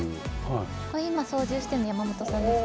これ今操縦してるの山本さんですか？